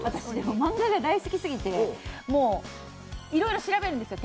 漫画が大好きすぎていろいろ調べるんですよ